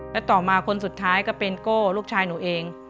และต่อมาคนสุดท้ายก็เป็นโก้ลูกชายหนูเอง